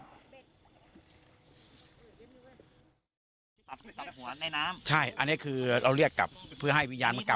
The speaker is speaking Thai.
ตับหัวในน้ำใช่อันนี้คือเราเรียกกลับเพื่อให้วิญญาณมากลับ